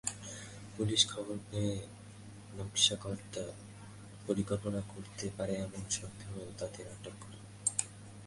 Police খবর পেয়ে নাশকতার পরিকল্পনা করতে পারে এমন সন্দেহে তাঁদের আটক করে।